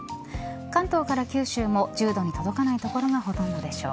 関東から九州も１０度に届かない所がほとんどでしょう。